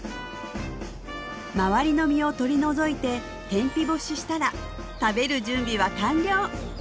周りの実を取り除いて天日干ししたら食べる準備は完了！